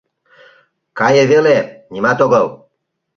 Кае веле, нимат огыл.